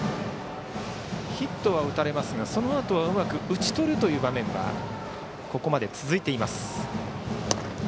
ヒットは打たれますがそのあとはうまく打ち取る場面がここまで続いています。